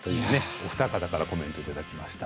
お二方からコメントをいただきました。